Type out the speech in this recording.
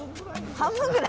半分ぐらい？